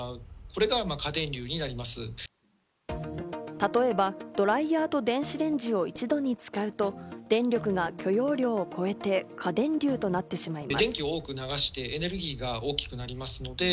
例えば、ドライヤーと電子レンジを一度に使うと電力が許容量を超えて過電流となってしまいます。